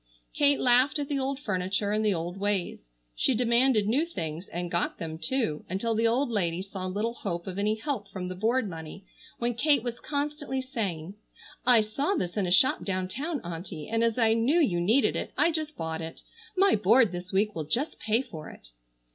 Kate laughed at the old furniture and the old ways. She demanded new things, and got them, too, until the old lady saw little hope of any help from the board money when Kate was constantly saying: "I saw this in a shop down town, auntie, and as I knew you needed it I just bought it. My board this week will just pay for it."